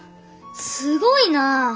すごいな！